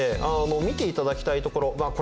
見ていただきたいところこれ